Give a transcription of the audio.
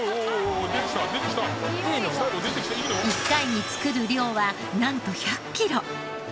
１回に作る量はなんと１００キロ。